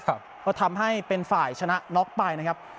ก็ทำให้เป็นฝ่ายชนะน็อกไปนะครับ